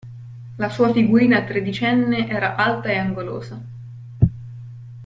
La sua figurina tredicenne era alta e angolosa.